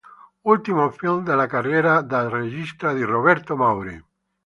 Ultimo film della carriera da regista di Roberto Mauri.